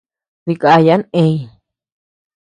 Dikayan eñ.